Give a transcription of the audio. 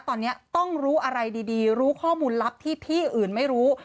ตอนนี้ต้องรู้อะไรดีรู้ข้อมูลลับที่ที่อื่นไม่รู้